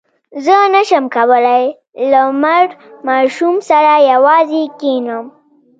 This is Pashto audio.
زه نه شم کولای له مړ ماشوم سره یوازې کښېنم.